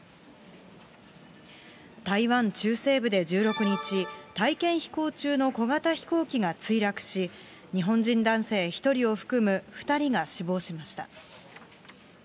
台湾中西部で１６日、体験飛行中の小型飛行機が墜落し、日本人男性１人を含む２人が死亡しました。